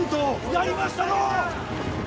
やりましたのう！